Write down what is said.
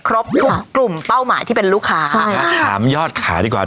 ครบทุกกลุ่มเป้าหมายที่เป็นลูกค้าถามยอดขายดีกว่า